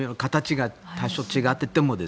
多少形が違っていても。